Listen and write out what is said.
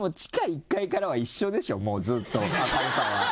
もうずっと高さは。